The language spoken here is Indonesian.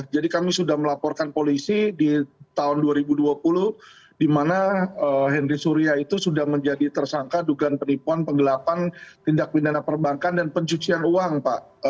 jadi kami sudah melaporkan polisi di tahun dua ribu dua puluh di mana henry surya itu sudah menjadi tersangka dugaan penipuan penggelapan tindak pidana perbankan dan pencucian uang pak